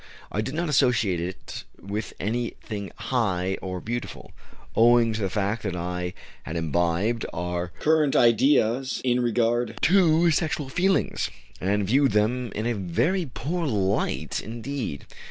"I did not associate it with anything high or beautiful, owing to the fact that I had imbibed our current ideas in regard to sexual feelings, and viewed them in a very poor light indeed."